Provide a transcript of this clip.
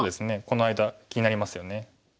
この間気になりますよね。